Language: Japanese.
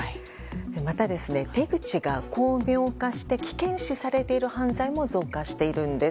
また、手口が巧妙化して危険視されている犯罪も増加しているんです。